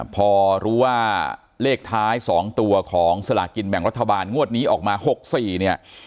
พอรู้ว่าเลขท้าย๒ตัวของสลากินแบ่งรัฐบาลงวดนี้ออกมา๖๔เนี่ย